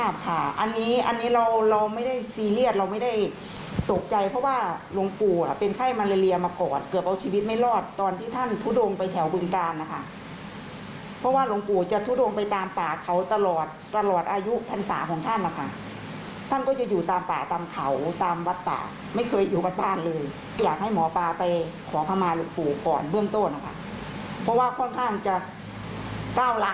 เพราะว่าค่อนข้างจะเก้าระเอาอยู่ที่ไปวาส